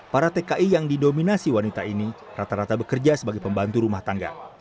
para tki yang didominasi wanita ini rata rata bekerja sebagai pembantu rumah tangga